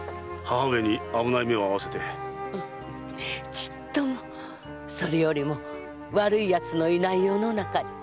ちっともそれよりも悪い奴のいない世の中に。